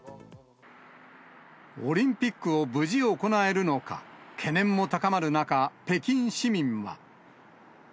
オリンピックを無事行えるのか、懸念も高まる中、北京市民は。